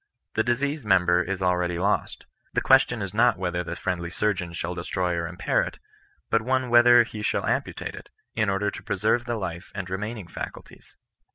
The diseased member is already lost. The question is not whether the friendly surgeon shall destroy or impair it ; but only whether he shall ampu tate it, in order to preserve the life and remaining facul ties.